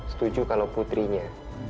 setuju kalau putrinya